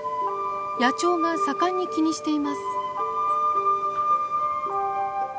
野鳥が盛んに気にしています。